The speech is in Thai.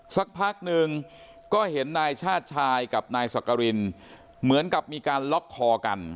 สักพักหนึ่งก็เห็นนายชาติชายกับนายสักกรินเหมือนกับมีการล็อกคอกัน